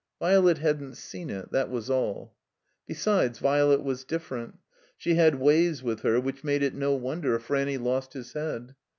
Violet hadn't seen it, that was all. Besides, Violet was different. She had ways with her which made it no wonder if Ranny lost his head.